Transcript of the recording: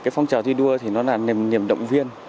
phong trào thi đua là niềm động viên